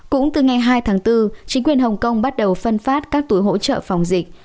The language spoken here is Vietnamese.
cũng từ ngày hai tháng bốn chính quyền hồng kông bắt đầu phân phát các túi hỗ trợ phòng dịch